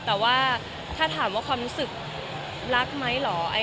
แต่ว่าถ้าถามว่าความรู้สึกรักไหมเหรอ